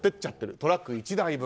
トラック１台分。